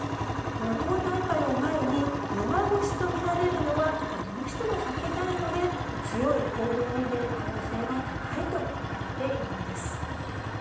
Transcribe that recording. この党大会を前に、弱腰と見られるのはどうしても避けたいので、強い行動に出る可能性が高いと見られているんです。